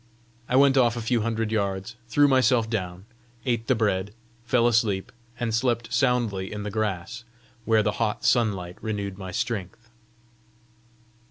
I went off a few hundred yards, threw myself down, ate the bread, fell asleep, and slept soundly in the grass, where the hot sunlight renewed my strength.